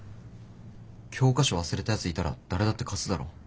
教科書忘れたやついたら誰だって貸すだろ。